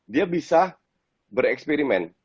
dia bisa bereksperimen